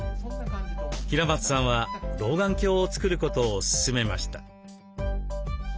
平松さんは老眼鏡を作ることを勧めました。